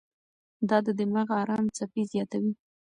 دا د دماغ ارام څپې زیاتوي.